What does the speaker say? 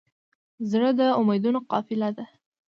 زړه د امیدونو قافله ده.